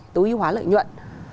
tối ưu hóa lợi nhuận